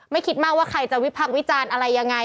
คิดมากว่าใครจะวิพักษ์วิจารณ์อะไรยังไง